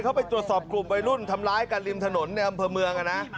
เข้าไปตรวจสอบกลุ่มวัยรุ่นทำร้ายกันริมถนนในอำเภอเมือง